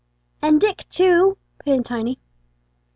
"And Dick, too," put in Tiny.